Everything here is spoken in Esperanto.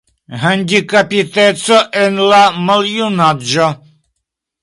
Handikapiteco en la maljunaĝo.